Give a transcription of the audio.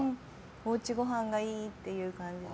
おうちごはんがいいという感じで。